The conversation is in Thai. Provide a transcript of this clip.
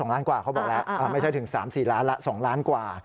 ล้านกว่าเขาบอกแล้วไม่ใช่ถึง๓๔ล้านละ๒ล้านกว่า